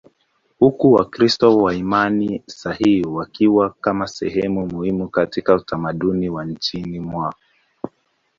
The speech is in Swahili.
huku Wakristo wa imani sahihi wakiwa kama sehemu muhimu katika utamaduni wa nchini mwao.